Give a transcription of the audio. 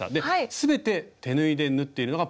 全て手縫いで縫っているのがポイントです。